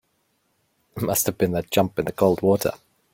Must have been that jump in the cold water.